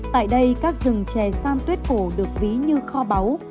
tại đây các rừng chè san tuyết cổ được ví như kho báu